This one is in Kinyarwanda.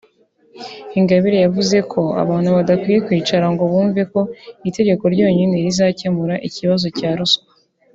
Ingabire yavuze ko abantu badakwiye kwicara ngo bumve ko itegeko ryonyine rizakemura ikibazo cya ruswa